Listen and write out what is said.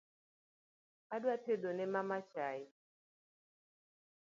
Adwa tedo ne mama chai